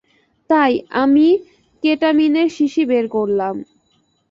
তাই, আমি কেটামিনের শিশি বের করলাম।